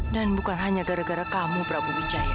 dan bukan hanya gara gara kamu prabu wijaya